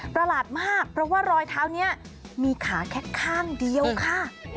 ประหลาดมากเพราะว่ารอยเท้านี้มีขาแค่ข้างเดียวค่ะ